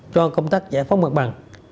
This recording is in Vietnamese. cho công tác giải phóng mặt bằng